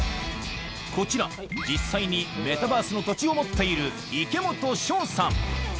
こちら、実際にメタバースの土地を持っている、いけもとしょうさん。